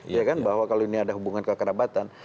ya kan bahwa kalau ini ada hubungan kekerabatan